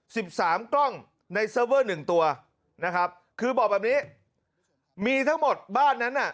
สิบสามกล้องในเซิร์ฟเวอร์หนึ่งตัวนะครับคือบอกแบบนี้มีทั้งหมดบ้านนั้นน่ะ